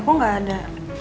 kok gak ada